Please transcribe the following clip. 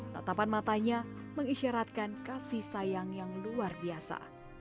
tatapan matanya mengisyaratkan kasih sayang yang luar biasa